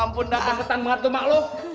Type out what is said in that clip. ampun dah angetan mantel makluh